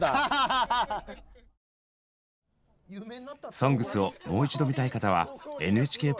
「ＳＯＮＧＳ」をもう一度見たい方はＮＨＫプラスで。